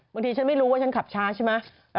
บางทีฉันไม่รู้ว่าฉันขับช้าใช่ไหม